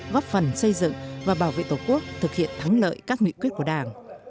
góp phần xây dựng và bảo vệ tổ quốc thực hiện thắng lợi các nguyện quyết của đảng